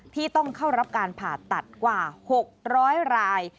ที่ต้องเข้ารับการผ่าตัดกว่า๖๐๐ราย